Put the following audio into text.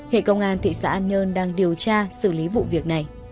hệ công an thị xã an nhơn đang điều tra xử lý vụ việc này